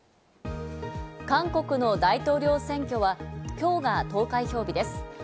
韓国の大統領選挙は今日が投開票日です。